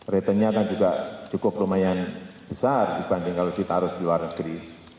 returnnya kan juga cukup lumayan besar dibanding kalau ditaruh di luar negeri